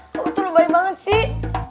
kok betul lo baik banget sih